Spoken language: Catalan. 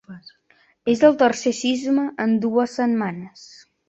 És el tercer sisme en dues setmanes